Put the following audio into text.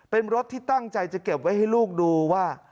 เป็นรถที่ตั้งใจจะเก็บไว้ให้ลูกดูว่า